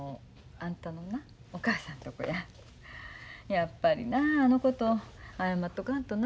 やっぱりなあのこと謝っとかんとな。